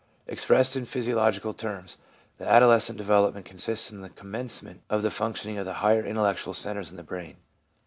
Expressed in physiological terms, the adoles cent development consists in the commencement of the functioning of the higher intellectual centres in the brain.